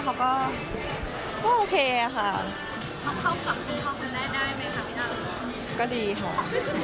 เข้ากับที่เท่าของเราได้มั้ยคะพี่น้ำ